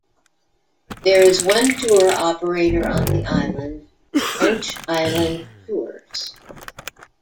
There is one tour operator on the island, French Island Tours.